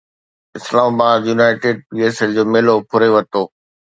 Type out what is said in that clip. اسلام آباد United P S L جو ميلو ڦري ورتو